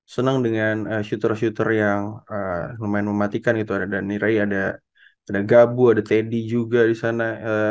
senang dengan shooter shooter yang lumayan mematikan gitu ada nirai ada gabu ada teddy juga di sana